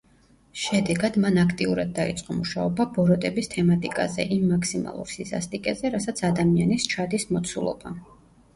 შედეგად, მან აქტიურად დაიწყო მუშაობა ბოროტების თემატიკაზე, იმ მაქსიმალურ სისასტიკეზე, რასაც ადამიანი სჩადის მოცულობა.